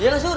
iya mas sur